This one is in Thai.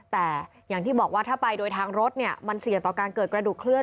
แต่อย่างที่บอกว่าถ้าไปโดยทางรถเนี่ยมันเสี่ยงต่อการเกิดกระดูกเคลื่อ